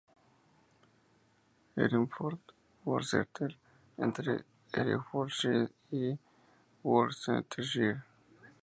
Hereford y Worcester, entre Herefordshire y Worcestershire.